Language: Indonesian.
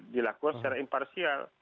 dilakukan secara imparsial